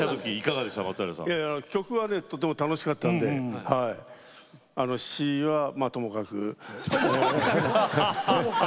曲はとっても楽しかったので詞は、ともかく。